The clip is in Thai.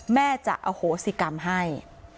แม่จะอโหสิกรรมให้